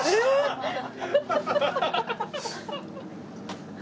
アハハハ！